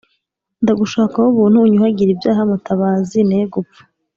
Ndagushakaho Ubuntu unyuhagire ibyaha mutabazi ne gupfa